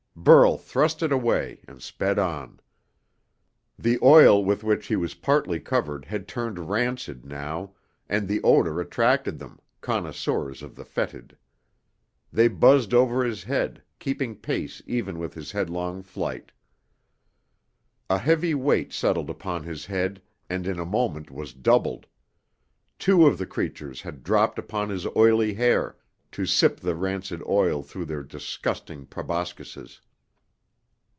Burl thrust it away and sped on. The oil with which he was partly covered had turned rancid, now, and the odor attracted them, connoisseurs of the fetid. They buzzed over his head, keeping pace even with his headlong flight. A heavy weight settled upon his head, and in a moment was doubled. Two of the creatures had dropped upon his oily hair, to sip the rancid oil through their disgusting proboscises.